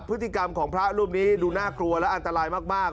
พฤติกรรมของพระรูปนี้ดูน่ากลัวและอันตรายมาก